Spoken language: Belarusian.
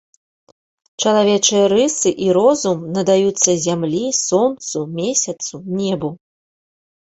Чалавечыя рысы і розум надаюцца зямлі, сонцу, месяцу, небу.